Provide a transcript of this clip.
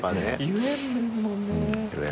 言えんですもんねぇ。